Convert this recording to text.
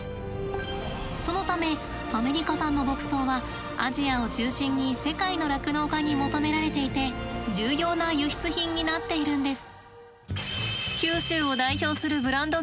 そのためアメリカ産の牧草はアジアを中心に世界の酪農家に求められていて重要な輸出品になっているんです。